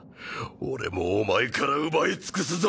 俺もお前から奪い尽くすぞ。